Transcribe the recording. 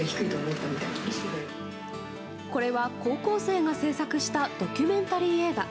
これは高校生が制作したドキュメンタリー映画。